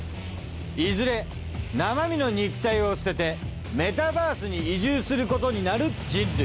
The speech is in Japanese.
いずれ生身の肉体を捨ててメタバースに移住することになる人類。